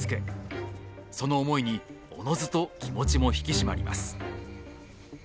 その思いにおのずと気持ちも引き締まります。